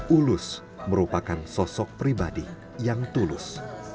ulus merupakan sosok pribadi yang tulus